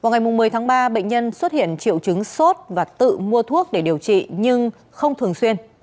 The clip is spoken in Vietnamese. vào ngày một mươi tháng ba bệnh nhân xuất hiện triệu chứng sốt và tự mua thuốc để điều trị nhưng không thường xuyên